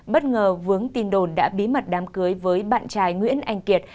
bất ngờ vướng tin đồn đã bí mật đám cưới với bạn trai nguyễn anh kiệt